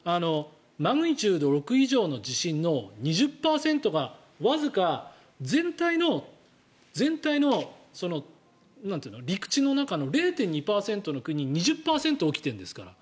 マグニチュード６以上の地震の２０％以上がわずか、全体の陸地の中の０．２％の国で２０％起きてるんですから。